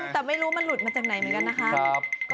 แต่ไม่รู้มันหลุดมาจากไหนเหมือนกันนะคะ